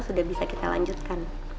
sudah bisa kita lanjutkan